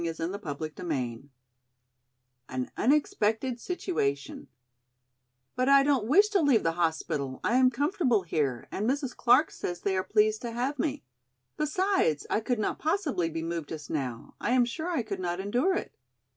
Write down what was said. CHAPTER VII An Unexpected Situation "BUT I don't wish to leave the hospital, I am comfortable here and Mrs. Clark says they are pleased to have me. Besides I could not possibly be moved just now, I am sure I could not endure it."